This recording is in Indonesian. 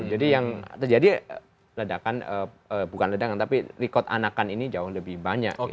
jadi yang terjadi ledakan bukan ledakan tapi rekod anakan ini jauh lebih banyak